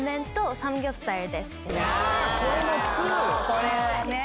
これはね！